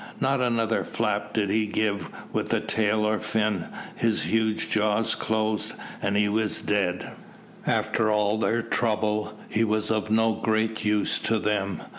Not another flap did he give with tail or fin, his huge jaws closed, and he was dead. After all their trouble, he was of no great use to them.